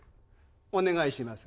お願いします。